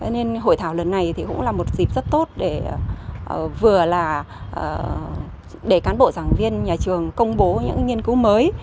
nên hội thảo lần này thì cũng là một dịp rất tốt để vừa là để cán bộ giảng viên nhà trường công bố những nghiên cứu mới